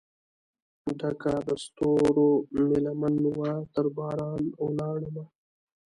ډکه دستورومې لمن وه ترباران ولاړ مه